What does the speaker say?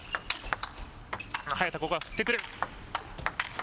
早田、ここは振ってくる。